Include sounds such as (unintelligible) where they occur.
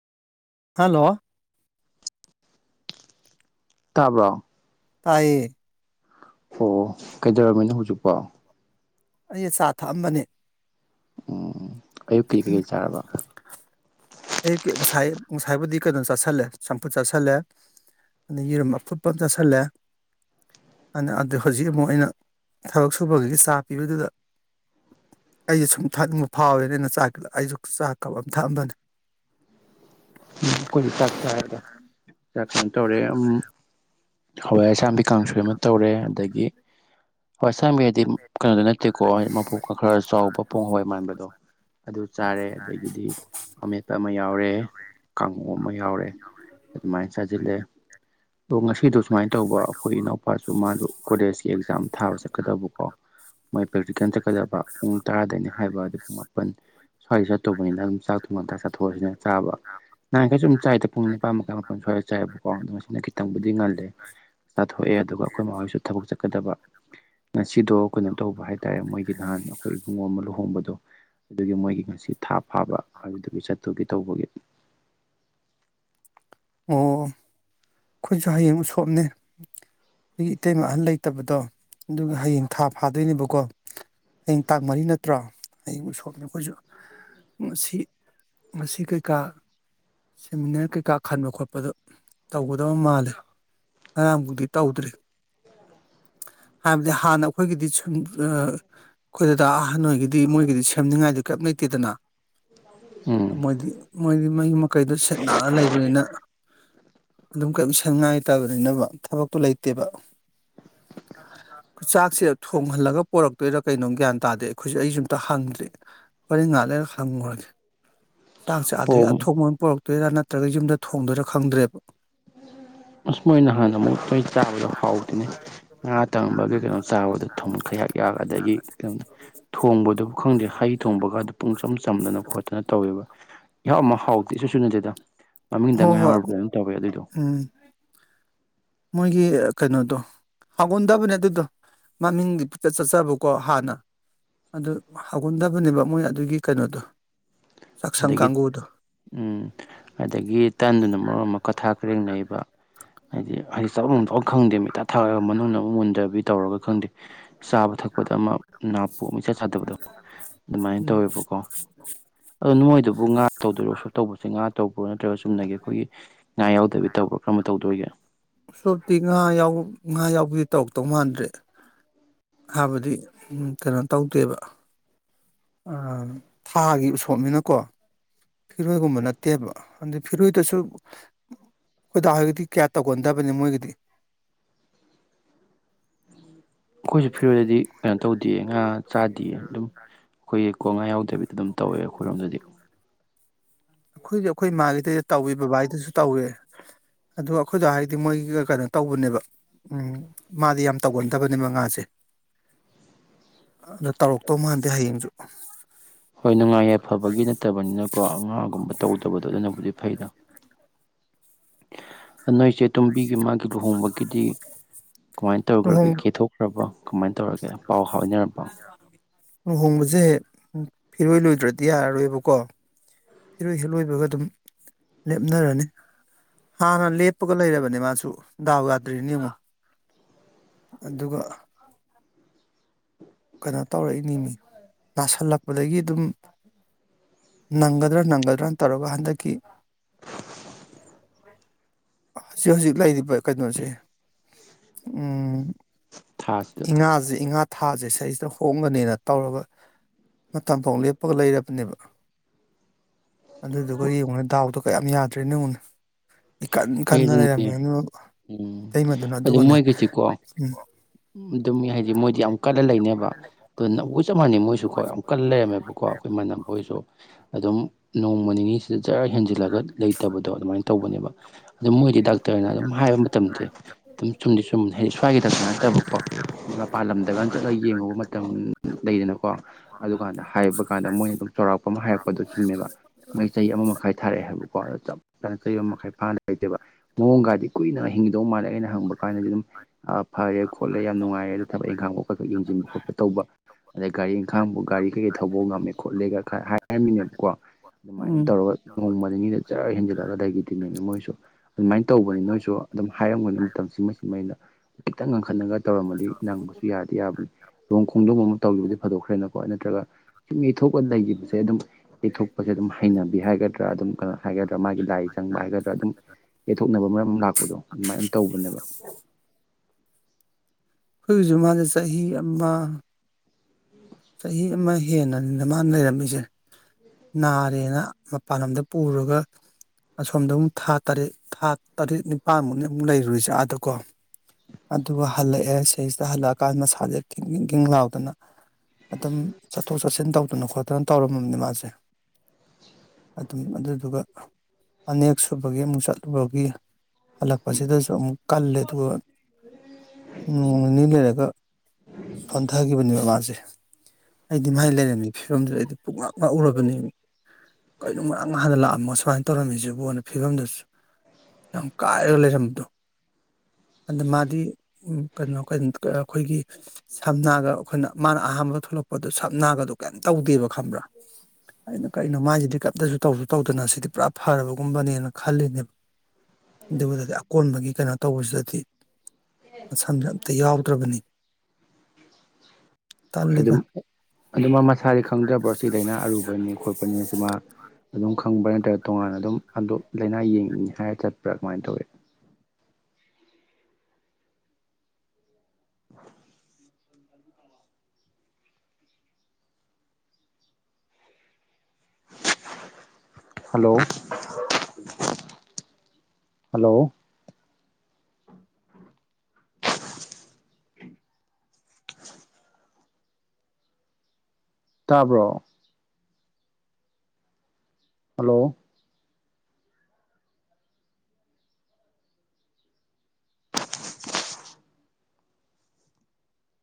hello ꯇꯥꯕ꯭ꯔꯣ ꯇꯥꯏꯌꯦ ꯑꯣ ꯀꯩꯗꯧꯔꯝꯃꯤꯅꯣ ꯍꯧꯖꯤꯛꯐꯣ ꯑꯩ ꯆꯥ ꯊꯛꯑꯝꯕꯅꯦ ꯎꯝ ꯑꯌꯨꯛꯀꯤ ꯀꯩꯀꯩ ꯆꯥꯔꯕ ꯑꯌꯨꯛꯀꯤ ꯉꯁꯥꯏ ꯉꯁꯥꯏꯕꯨꯗꯤ ꯀꯩꯅꯣ ꯆꯥꯁꯤꯜꯂꯦ ꯆꯝꯐꯨꯠ ꯆꯥꯁꯜꯂꯦ ꯑꯗꯩ ꯌꯦꯔꯨꯝ ꯑꯐꯨꯠꯄ ꯑꯃ ꯆꯥꯁꯜꯂꯦ ꯑꯗꯨ ꯍꯧꯖꯤꯛ ꯑꯃꯨꯛ ꯑꯩꯅ ꯊꯕꯛ ꯁꯨꯕꯒꯤ ꯆꯥ ꯄꯤꯕꯗꯨꯗ ꯑꯩꯁꯨ ꯁꯨꯝ ꯊꯛꯅꯤꯡꯕ ꯐꯥꯎꯋꯦꯅ ꯆꯥ ꯑꯩꯁꯨ ꯆꯥ ꯀꯞ ꯑꯃ ꯊꯛꯑꯝꯕꯅꯤ ꯑꯩꯈꯣꯏꯁꯨ ꯆꯥꯛ ꯆꯥꯏꯌꯦꯒ ꯆꯥꯛ‌ ꯀꯩꯅꯣ ꯇꯧꯔꯦ ꯎꯝ‌‌ꯍꯋꯥꯏ ꯆꯥꯝꯕꯤ ꯀꯥꯡꯁꯣꯏ‌ ꯑꯃꯥ ꯇꯧꯔꯦ ꯑꯗꯒꯤ ꯍꯋꯥꯏ ꯑꯁꯥꯡꯕꯤ ꯍꯥꯏꯗꯤ ꯀꯩꯅꯣꯗ ꯅꯠꯇꯦꯀꯣ ꯍꯥꯏꯗꯤ ꯃꯄꯣꯛꯀ ꯈꯔ ꯆꯥꯎꯕ ꯄꯨꯡ ꯍꯧ ꯃꯥꯟꯕꯗꯣ ꯑꯗꯨ ꯆꯥꯔꯦ ꯑꯗꯒꯤꯗꯤ ꯑꯃꯃꯦꯠꯄ ꯑꯃ ꯌꯥꯎꯔꯦ ꯀꯥꯡꯉꯧ ꯑꯃ ꯌꯥꯎꯔꯦ ꯑꯗꯨꯃꯥꯏꯅ ꯆꯥꯁꯤꯜꯂꯦ (unintelligible) ꯑꯗꯣ ꯉꯁꯤꯗꯣ ꯁꯨꯃꯥꯏꯟ ꯇꯧꯕ ꯑꯈꯣꯏ ꯏꯅꯥꯎ ꯄꯥꯁꯨ ꯃꯥꯗꯨ ꯀꯣꯂꯦꯖꯀꯤ ꯑꯦꯛꯖꯥꯝ ꯊꯥꯕ ꯆꯠꯀꯗꯕꯀꯣ ꯃꯥꯏ ꯄ꯭ꯔꯦꯛꯇꯤꯀꯦꯜ ꯆꯠꯀꯗꯕ ꯄꯨꯡ ꯇꯔꯥꯗꯩꯅ ꯍꯥꯏꯕ ꯑꯗꯨ ꯄꯨꯡ ꯃꯥꯄꯟ ꯁ꯭ꯋꯥꯏ ꯆꯠꯇꯧꯕꯅꯤꯅ ꯅꯪ ꯆꯥꯛ ꯇꯣ ꯉꯟꯇꯥ ꯆꯥꯊꯣꯛꯑꯖꯤꯅ ꯆꯥꯕ ꯅꯍꯥꯟꯈꯩꯁꯨ ꯎꯝ ꯆꯥꯏꯗ ꯄꯨꯡ ꯅꯤꯄꯥꯥꯟ ꯃꯈꯥꯏ ꯃꯥꯄꯟ ꯁ꯭ꯋꯥꯏ ꯆꯥꯏꯌꯦꯕꯀꯣ ꯑꯗꯣ ꯉꯁꯤꯅ ꯈꯤꯇꯪꯕꯨꯗꯤ ꯉꯜꯂꯦ ꯆꯥꯊꯣꯛ ꯊꯣꯛꯑꯦ ꯑꯗꯨꯒ ꯑꯈꯣꯏ ꯃꯥ ꯍꯣꯏꯁꯨ ꯊꯕꯛ ꯆꯠꯀꯗꯕ ꯉꯁꯤꯗꯣ ꯀꯩꯅꯣ ꯇꯧꯕ ꯍꯥꯏꯇꯥꯔꯦ ꯃꯣꯏꯒꯤ ꯅꯍꯥꯟ ꯑꯈꯣꯏ ꯏꯕꯨꯡꯉꯣ ꯑꯃ ꯂꯨꯍꯣꯡꯕꯗꯣ ꯑꯗꯨꯒꯤ ꯃꯣꯏꯒꯤ ꯉꯁꯤ ꯊꯥ ꯐꯥꯕ ꯑꯗꯨꯗꯨꯒꯤ ꯆꯠꯇꯨꯒꯤ ꯇꯧꯕꯒꯤ ꯑꯣ ꯑꯣ ꯑꯈꯣꯏꯁꯨ ꯍꯌꯦꯡ ꯎꯁꯣꯞꯅꯦ ꯑꯈꯣꯏꯒꯤ ꯏꯇꯩꯃ ꯑꯍꯜ ꯂꯩꯇꯕꯗꯣ ꯑꯗꯨꯒ ꯍꯌꯦꯡ ꯊꯥ ꯐꯥꯗꯨꯏꯅꯦꯕꯀꯣ ꯍꯌꯦꯡ ꯇꯥꯡ ꯃꯔꯤ ꯅꯠꯇ꯭ꯔꯣ ꯍꯌꯦꯡ ꯎꯁꯣꯞꯅꯦ ꯑꯈꯣꯏꯖꯨ ꯉꯁꯤ ꯉꯁꯤ ꯀꯩꯀꯥ ꯁꯦꯃꯤꯅꯔ ꯀꯩꯀꯥ ꯈꯟꯕ ꯈꯣꯠꯄꯗꯣ ꯇꯧꯒꯗꯕ ꯃꯥꯜꯂꯦ ꯉꯔꯥꯡꯕꯨꯗꯤ ꯇꯧꯗ꯭ꯔꯤ ꯍꯥꯏꯕꯗꯤ ꯍꯥꯟꯅ ꯑꯈꯣꯏꯒꯤꯗꯤ ꯅ ꯑꯈꯣꯏ ꯗꯥꯗꯥ ꯑꯍꯟꯍꯣꯏꯒꯤꯗꯤ ꯃꯣꯏꯒꯤꯗꯤ ꯁꯦꯝꯅꯤꯡꯉꯥꯏꯗꯤ ꯀꯩꯝ ꯂꯩꯇꯦꯗꯅ ꯎꯝ ꯃꯣꯏꯗꯤ ꯃꯣꯏꯗꯤ ꯃꯌꯨꯝ ꯃꯀꯩꯗꯣ ꯁꯤꯠ ꯅꯥꯜꯂ ꯂꯩꯕꯅꯤꯅ ꯑꯗꯨꯝ ꯀꯩꯝ ꯁꯦꯝꯅꯤꯡꯉꯥꯏ ꯂꯩꯇꯕꯅꯤꯅꯕ ꯊꯕꯛꯇꯣ ꯂꯩꯇꯦꯕ ꯆꯥꯛꯁꯦ ꯊꯣꯡꯍꯜꯂꯒ ꯄꯣꯔꯛꯇꯨꯏꯔꯥ ꯀꯩꯅꯣ ꯒ꯭ꯌꯥꯟ ꯇꯥꯗꯦ ꯑꯩꯈꯣꯏꯖꯨ ꯑꯩꯖꯨ ꯑꯝꯇ ꯍꯪꯗ꯭ꯔꯤ ꯍꯣꯔꯦꯟ ꯉꯍꯥꯛ ꯂꯩꯔꯒ ꯍꯪꯉꯨꯔꯒꯦ ꯆꯥꯛꯁꯦ ꯑꯥꯗꯒꯤ ꯑꯣ ꯑꯊꯣꯡꯕ ꯑꯣꯏꯅ ꯄꯨꯔꯛꯇꯨꯏꯔꯥ ꯅꯠꯇ꯭ꯔꯒ ꯌꯨꯝꯗ ꯊꯣꯡꯗꯨꯏꯔꯥ ꯈꯪꯗ꯭ꯔꯦꯕ ꯑꯁ ꯃꯣꯏ ꯅꯍꯥꯟ ꯑꯃꯨꯛ ꯇꯣꯏ ꯆꯥꯕꯗꯣ ꯍꯥꯎꯇꯦꯅꯦ ꯉꯥ ꯇꯪꯕꯒꯤ ꯀꯩꯅꯣ ꯆꯥꯕꯗꯣ ꯊꯨꯝ ꯈꯌꯥꯛ ꯌꯥꯛ ꯑꯗꯒꯤ ꯀꯩꯝ ꯊꯣꯡꯕꯗꯨꯕꯨ ꯈꯪꯗꯦ ꯍꯩ ꯊꯣꯡꯕꯒ ꯑꯗꯨ ꯄꯨꯡꯆꯝ ꯆꯝꯗꯅ ꯈꯣꯠꯇꯅ ꯇꯧꯋꯦꯕ ꯏꯍꯥꯎ ꯑꯃ ꯍꯥꯎꯇꯦ ꯏꯆꯨ ꯆꯨꯅꯗꯦꯗ ꯍꯣ ꯃꯃꯤꯡꯗꯪ ꯍꯣꯏ ꯉꯥꯏꯍꯧꯔ ꯀꯩꯅꯣꯝ ꯇꯧꯋꯦ ꯑꯗꯨꯏꯗꯣ ꯎꯝ ꯃꯣꯏꯒꯤ ꯀꯩꯅꯣꯗꯣ ꯍꯥꯎꯒꯟꯗꯕꯅꯦ ꯑꯗꯨꯗꯣ ꯃꯃꯤꯡꯗꯤ ꯄꯨꯛꯆꯠ ꯆꯠꯆꯕꯀꯣ ꯍꯥꯟꯅ ꯑꯗꯨ ꯍꯧꯒꯟꯗꯕꯅꯦꯕ ꯃꯣꯏ ꯑꯗꯨꯒꯤ ꯀꯩꯅꯣꯗꯣ ꯆꯥꯛꯁꯪ ꯑꯗꯒꯤ ꯀꯥꯡꯒꯨꯗꯣ ꯎꯝ ꯑꯗꯒꯤ ꯇꯟꯗꯨꯅ ꯃꯔꯣꯟ ꯑꯃ ꯀꯊꯥ ꯈꯔꯦꯡꯅꯩꯕ ꯍꯥꯏꯗꯤ ꯍꯥꯏꯗꯤ ꯆꯥꯕꯝ ꯂꯥꯛꯐꯝ ꯈꯪꯗꯃꯤ ꯏꯊꯥ ꯊꯥꯔꯒ ꯃꯅꯨꯡꯅ ꯑꯃꯨꯛ ꯃꯨꯟꯗꯕꯤ ꯇꯧꯔꯒ ꯈꯪꯗꯦ ꯆꯥꯕ ꯊꯛꯄꯗ ꯑꯃ ꯅꯥꯄꯨ ꯑꯃ ꯏꯆꯥ ꯆꯥꯗꯕꯗꯣ ꯑꯗꯨꯃꯥꯏꯟ ꯎꯝ ꯇꯧꯋꯦꯕꯀꯣ ꯑꯗꯣ ꯅꯣꯏꯗꯨꯕꯨ ꯉꯥ ꯇꯧꯗꯨꯏꯔꯣ ꯎꯁꯣꯞ ꯇꯧꯕꯁꯦ ꯉꯥ ꯇꯧꯕ꯭ꯔꯣ ꯅꯠꯇ꯭ꯔꯒ ꯆꯨꯝꯅꯒꯤ ꯑꯩꯈꯣꯏꯒꯤ ꯉꯥ ꯌꯥꯎꯗꯕꯤ ꯇꯧꯕ꯭ꯔꯣ ꯀꯔꯝꯕ ꯇꯧꯗꯨꯏꯒꯦ ꯎꯁꯣꯞꯇꯤ ꯉꯥ ꯌꯥꯎꯕ ꯉꯥ ꯌꯥꯎꯕꯤ ꯇꯧꯔꯛꯇꯧ ꯃꯥꯟꯗ꯭ꯔꯦ ꯍꯥꯏꯕꯗꯤ ꯎꯝ ꯀꯩꯅꯣ ꯇꯧꯗꯦꯕ ꯑꯥ ꯊꯥꯒꯤ ꯎꯁꯣꯞꯅꯤꯅꯀꯣ ꯐꯤꯔꯣꯏꯒꯨꯝꯕ ꯅꯠꯇꯦꯕ ꯑꯗ ꯐꯤꯔꯣꯏꯗꯁꯨ ꯑꯈꯣꯏ ꯗꯥ ꯍꯣꯏꯒꯤꯗꯤ ꯀꯌꯥ ꯇꯧꯒꯟꯗꯕꯅꯦ ꯃꯣꯏꯒꯤꯗꯤ ꯑꯈꯣꯏꯖꯨ ꯐꯤꯔꯣꯏꯗꯗꯤ ꯀꯩꯅꯣ ꯇꯧꯗꯤꯌꯦ ꯉꯥ ꯆꯥꯗꯤꯌꯦ ꯑꯗꯨꯝ ꯑꯈꯣꯏꯒꯤ ꯀꯣ ꯉꯥ ꯌꯥꯎꯗꯕꯤꯗ ꯑꯗꯨꯝ ꯇꯧꯋꯦ ꯑꯈꯣꯏꯔꯣꯝꯗꯗꯤ ꯑꯈꯣꯏꯗꯤ ꯑꯈꯣꯏ ꯃꯥꯒꯤꯗꯩꯗ ꯇꯧꯋꯦ ꯕꯕꯥꯒꯤꯗꯨꯁꯨ ꯇꯧꯋꯦ ꯑꯗꯣ ꯑꯈꯣꯏ ꯗꯥ ꯍꯣꯏꯗꯤ ꯃꯣꯏꯒꯤꯒ ꯀꯩꯅꯣ ꯇꯧꯕꯅꯦꯕ ꯎꯝ ꯃꯥꯗꯤ ꯌꯥꯝ ꯇꯧꯒꯟꯗꯕꯅꯦꯕ ꯉꯥꯁꯦ ꯑꯗ ꯇꯧꯔꯛꯇꯧ ꯃꯥꯟꯗꯦ ꯍꯌꯦꯡꯖꯨ ꯍꯣꯏ ꯅꯨꯡꯉꯥꯏ ꯌꯥꯏꯐꯕꯕꯒꯤ ꯅꯠꯇꯕꯅꯤꯅꯀꯣ ꯉꯥꯒꯨꯝꯕ ꯇꯧꯗꯕꯗꯣ ꯑꯗꯨꯅꯕꯨꯗꯤ ꯐꯩꯗ (inaudible) ꯅꯣꯏ ꯆꯦ ꯇꯨꯝꯕꯤꯒꯤ ꯃꯥꯒꯤ ꯂꯨꯍꯣꯡꯕꯒꯤꯗꯤ ꯀꯃꯥꯏ ꯇꯧꯈ꯭ꯔꯥꯒꯦ ꯂꯨꯍꯣꯡ ꯀꯦꯊꯣꯛꯈ꯭ꯔꯥꯕꫭ ꯀꯃꯥꯏ ꯇꯧꯔꯒꯦ ꯄꯥꯎ ꯍꯥꯏꯅꯔꯝꯕꫭ ꯂꯨꯍꯣꯡꯕꯁꯦ ꯎꯝ ꯐꯤꯔꯣꯏ ꯂꯣꯏꯗ꯭ꯔꯥꯗꯤ ꯌꯥꯔꯔꯣꯏꯕꯀꯣ ꯐꯤꯔꯣꯏ ꯍꯦꯛ ꯂꯣꯏꯕꯒ ꯑꯗꯨꯝ ꯂꯦꯞꯅꯔꯅꯤ ꯍꯥꯟꯅ ꯂꯦꯞꯄꯒ ꯂꯩꯔꯕꯅꯦ ꯃꯥꯁꯨ ꯗꯥꯎ ꯌꯥꯗ꯭ꯔꯤꯅꯤ ꯌꯦꯡꯉꫭ ꯑꯗꯨꯒ ꯀꯩꯅꯣ ꯇꯧꯔꯛꯏꯅꯤꯅꯤ ꯅꯥꯁꯤꯜꯂꯛꯄꯗꯒꯤ ꯑꯗꯨꯝ ꯅꯪꯒꯗ꯭ꯔꯥ ꯅꯪꯒꯗ꯭ꯔꯥꯅ ꯇꯧꯔꯒ ꯍꯟꯗꯛꯀꯤ ꯍꯧꯖꯤꯛ ꯍꯧꯖꯤꯛ ꯂꯩꯔꯤꯕ ꯀꯩꯅꯣꯁꯦ ꯎꯝ ꯊꯥꯁꯤꯗ ꯉꯥꯁꯦ ꯏꯉꯥ ꯊꯥꯁꯦ ꯁꯤꯗꯩꯁꯤꯗ ꯍꯣꯡꯒꯅꯦꯅ ꯇꯧꯔꯒ ꯃꯇꯝ ꯐꯥꯎ ꯂꯦꯞꯄꯒ ꯂꯩꯔꯕꯅꯦꯕ ꯑꯗꯨꯗꯨꯒ ꯌꯦꯡꯉꯨꯅꯦ ꯗꯥꯎꯗꯣ ꯀꯌꯥꯝ ꯌꯥꯗ꯭ꯔꯤꯅꫭ ꯌꯦꯡꯉꯨꯅꯦ ꯏꯀꯟ ꯍꯣꯏ ꯀꯟꯅ ꯑꯗꯨꯅꯦ ꯂꯩꯔꯝꯃꯤ ꯑꯗꯨ ꯎꯝ ꯏꯇꯩꯃꯥꯗꯨꯅ ꯑꯗꯨ ꯑꯗꯨꯒꯅꯦ ꯃꯣꯏꯒꯤꯁꯤꯀꯣ ꯃꫭꯏ ꯎꯝ ꯑꯗꯨꯝ ꯍꯥꯏꯗꯤ ꯃꯣꯏꯗꯤ ꯌꯥꯝ ꯀꯠꯂ ꯂꯩꯅꯦꯕ ꯑꯗꯣꯅ ꯋꯨ ꯆꯞ ꯃꯥꯟꯅꯩ ꯃꯣꯏꯁꯨ ꯀꫭ ꯌꯥꯝ ꯀꯜ ꯂꯩꯔꯝꯃꯦꯕꯀꯣ ꯑꯩꯈꯣꯏ ꯏꯃꯥꯟꯅꯕ ꯍꫭꯏꯁꯨ ꯑꯗꯨꯝ ꯅꯣꯡꯃ ꯅꯤꯅꯤꯁꯤꯗ ꯖꯔ ꯍꯦꯟꯖꯤꯟ ꯍꯦꯟꯖꯤꯜꯂꯒ ꯂꯩꯇꯕꯗꯣ ꯑꯗꯨꯃꯥꯏ ꯇꯧꯕꯅꯦꯕ ꯑꯗꯨ ꯃꯣꯏꯗꯤ ꯗꯥꯛꯇꯔꯅ ꯑꯗꯨꯝ ꯍꯥꯏꯕ ꯃꯇꯝꯁꯦ ꯑꯗꯨꯝ ꯆꯨꯝꯗꯤ ꯆꯨꯝ ꯍꯥꯏꯗꯤ ꯁ꯭ꯋꯥꯏꯒꯤ ꯗꯥꯛꯇꯔ ꯅꯠꯇꯕ ꯀꫭ ꯃꯄꯥꯟ ꯂꯝꯗꯒ ꯆꯠꯂꯒ ꯌꯦꯡꯉꯨꯕ ꯃꯇꯝ ꯂꯩꯗꯅꯀꯣ ꯑꯗꯨꯀꯥꯟꯗ ꯍꯥꯏꯕ ꯀꯥꯟꯗ ꯃꯣꯏꯅ ꯑꯗꯨꯝ ꯆꯥꯎꯔꯥꯛꯄ ꯑꯃ ꯍꯥꯏꯔꯛꯄꯗꯣ ꯆꯨꯝꯃꯦꯕ ꯃꯣꯏ ꯆꯍꯤ ꯑꯃ ꯃꯈꯥꯏ ꯊꯥꯔꯛꯑꯦ ꯍꯥꯏꯕꯀꯣ ꯑꯗꯥ ꯆꯞ ꯆꯥꯅ ꯆꯍꯤ ꯑꯃ ꯃꯈꯥꯏ ꯐꯥꯅ ꯂꯩꯇꯦꯕ ꯃꯑꯣꯡꯒꯗꯤ ꯀꯨꯏꯅ ꯍꯤꯡꯒꯤꯗꯧ ꯃꯥꯜꯂꯦ ꯑꯩꯅ ꯍꯪꯕ ꯀꯥꯟꯗꯗꯤ ꯑꯗꯨꯝ ꯑꯥ ꯐꯔꯦ ꯈꯣꯠꯂꯦ ꯌꯥꯝ ꯅꯨꯡꯉꯥꯏꯔꯦ ꯑꯗꯨ ꯊꯕꯛ ꯏꯪꯈꯥꯡ ꯈꯣꯛꯄꯈꯛ ꯌꯦꯡꯁꯤꯟꯕ ꯈꯣꯠꯄ ꯇꯧꯕ ꯑꯗꯩ ꯒꯥꯔꯤ ꯏꯪꯈꯥꯡꯕꯨ ꯒꯥꯔꯤ ꯀꯩꯀꯩ ꯊꯧꯕ ꯉꯝꯃꯦ ꯈꯣꯠꯂꯦꯒ ꯈꯔ ꯍꯥꯏꯔꯝꯃꯤꯅꯦꯕꯀꯣ ꯗꯨꯃꯥꯏꯅ ꯑꯗꯨ ꯎꯝ ꯇꯧꯔꯒ ꯅꯣꯡꯃ ꯅꯤꯅꯤꯗ ꯖꯔ ꯍꯦꯟꯖꯜꯂꯛꯑꯒ ꯂꯩꯈꯔꯤꯗꯔꯤꯅꯦꯃꯦ ꯃꯣꯏꯁꯨ ꯑꯗꯨꯃꯥꯏꯅ ꯇꯧꯕꯅꯤ ꯅꯣꯏꯁꯨ ꯑꯗꯨꯝ ꯍꯥꯏꯔꯝꯒꯅꯤ ꯃꯇꯝꯁꯤ ꯃꯁꯤꯃꯩꯅ ꯈꯤꯇꯪ ꯉꯪ ꯈꯠꯅꯒ ꯇꯧꯔꯝꯃꯗꯤ ꯅꯪꯕꯁꯨ ꯌꯥꯗꯤ ꯌꯥꯕꯅꯤ ꯂꯨꯍꫭꯡ ꯈꯣꯡꯗꯣꯝꯕ ꯑꯃ ꯇꯧꯈꯤꯕꯁꯦ ꯐꯗꯣꯛꯈ꯭ꯔꯦꯅꯀꯣ ꯅꯠꯇ꯭ꯔꯒ ꯁꯨꯝ ꯌꯩꯊꯣꯛꯑꯒ ꯂꯩꯈꯤꯕꯁꯦ ꯑꯗꯨꯝ ꯌꯩꯊꯣꯛꯄꯁꯦ ꯑꯗꯨꯝ ꯍꯩꯅꯕꯤ ꯍꯥꯏꯒꯗ꯭ꯔꯥ ꯑꯗꯨꯝ ꯀꯩꯅꯣ ꯍꯥꯏꯒꯗ꯭ꯔꯥ ꯃꯥꯒꯤ ꯂꯥꯏ ꯆꯪꯕ ꯍꯥꯏꯒꯗ꯭ꯔꯥ ꯑꯗꯨꯝ ꯌꯦꯠꯊꯣꯛꯅꯕ ꯃꯔꯝ ꯂꯥꯛꯄꯗꯣ ꯑꯗꯨꯃꯥꯏꯅ ꯇꯧꯕꯅꯦꯕ ꯑꯩꯈꯣꯏꯁꯨ ꯃꯥꯁ ꯆꯍꯤ ꯑꯃ ꯆꯍꯤ ꯑꯃ ꯍꯦꯟꯅꯅꯤꯅ ꯃꯥꯅ ꯂꯩꯔꯝꯃꯤꯁꯦ ꯅꯥꯔꯦꯅ ꯃꯄꯥꯟ ꯂꯝꯗ ꯄꯨꯔꯒ ꯑꯁꯣꯝꯗ ꯑꯃꯨꯛ ꯊꯥ ꯇꯔꯦꯠ ꯊꯥ ꯇꯔꯦꯠ ꯅꯤꯄꯥꯜꯃꯨꯛꯅꯤ ꯑꯃꯨꯛ ꯂꯩꯔꯨꯁꯦ ꯑꯥꯗꯀꯣ ꯑꯗꯨꯒ ꯍꯜꯂꯛꯑꯦ ꯁꯤꯁꯤꯗ ꯍꯜꯂꯛꯑꯀꯥꯟꯗ ꯃꯁꯥꯁꯦ ꯈꯤꯟ ꯈꯤꯟ ꯈꯤꯟ ꯂꯥꯎꯗꯅ ꯑꯗꯨꯝ ꯆꯠꯊꯣꯛ ꯆꯠꯁꯤꯟ ꯇꯧꯗꯅ ꯈꯣꯠꯇꯅ ꯇꯧꯔꯝꯃꯕꯅꯦ ꯃꯥꯁꯦ ꯑꯗꯨꯝ ꯑꯗꯨꯗꯨꯒ ꯑꯅꯤꯔꯛꯁꯨꯕꯒꯤ ꯑꯃꯨꯛ ꯆꯠꯂꯨꯕꯒꯤ ꯍꯜꯂꯛꯄꯁꯤꯗꯁꯨ ꯑꯃꯨꯛ ꯀꯜꯂꯦ ꯑꯗꯨꯒ ꯅꯣꯡꯃ ꯅꯤꯅꯤ ꯂꯩꯔꯒ ꯁꯣꯟꯊꯈꯤꯕꯅꯦꯕ ꯃꯥꯁꯦ ꯑꯩꯗꯤ ꯃꯥꯏ ꯂꯩꯔꯝꯃꯤꯕ ꯐꯤꯕꯝꯗꯨꯗ ꯑꯩꯗꯤ ꯄꯨꯉꯥꯛ ꯉꯥꯛꯎꯔꯕꯅꯦꯃꯦ ꯀꯩꯅꯣ ꯉꯥꯔꯡ ꯅꯍꯥꯟꯗ ꯂꯥꯛꯑꯝꯃ ꯁꯨꯃꯥꯏ ꯇꯧꯔꯝꯃꯤꯁꯤꯕꯨꯅ ꯐꯤꯕꯝꯗꯨꯁꯨ ꯌꯥꯝ ꯀꯥꯏꯔꯒ ꯂꯩꯔꯝꯕꯗꯣ ꯑꯗꯣ ꯃꯥꯗꯤ ꯎꯝ ꯀꯩꯅꯣ ꯀꯩꯅꯣ ꯀꯩ ꯑꯩꯈꯣꯏꯒꯤ ꯁꯝꯅꯥꯒ ꯑꯩꯈꯣꯏꯅ ꯃꯥꯅ ꯑꯍꯥꯟꯕ ꯊꯣꯛꯂꯛꯄꯗꯣ ꯁꯝꯅꯥꯒꯗꯨ ꯀꯩꯝ ꯇꯧꯗꯦꯕ ꯈꯪꯕ꯭ꯔꯥ ꯑꯩꯅ ꯀꯩꯅꯣ ꯃꯥꯏꯁꯤꯗꯤ ꯀꯩꯝꯇꯁꯨ ꯇꯧꯁꯨ ꯇꯧꯗꯅ ꯁꯤꯗꯤ ꯄꯨꯔꯥ ꯐꯔꯕꯒꯨꯝꯕꯅꯦꯅ ꯈꯜꯂꯤꯅꯦꯕ ꯑꯗꯨꯕꯨꯗꯗꯤ ꯑꯀꯣꯟꯕꯒꯤ ꯀꯩꯅꯣ ꯇꯧꯕꯁꯤꯗꯗꯤ ꯃꯁꯝꯁꯦ ꯑꯝꯇ ꯌꯥꯎꯗ꯭ꯔꯥꯕꯅꯤ ꯍꯣꯢ ꯇꯜꯂꯤꯗ ꯑꯗꯨꯝ ꯑꯗꯨ ꯃꯥ ꯃꯁꯥꯗꯤ ꯈꯪꯖꯕ꯭ꯔꯣ ꯁꯤ ꯂꯥꯏꯅꯥ ꯑꯔꯨꯕꯅꯤ ꯈꯣꯠꯄꯅꯦꯁꯦ ꯃꯥ ꯑꯗꯨꯝ ꯈꯪꯕ꯭ꯔꯥ ꯅꯠꯇ꯭ꯔꯒ ꯇꯣꯉꯥꯟꯅ ꯑꯗꯨꯝ ꯑꯗꯨ ꯂꯥꯏꯅꯥ ꯌꯦꯡꯉꯤꯅꯤ ꯍꯥꯏꯔ ꯆꯠꯄ꯭ꯔꯥ ꯀꯃꯥꯏꯅ ꯇꯧꯏ (inaudible) ꯍꯜꯂꯣ ꯍꯜꯂꯣ (inaudible) ꯇꯥꯕ꯭ꯔꯣ ꯍꯜꯂꯣ (inaudible)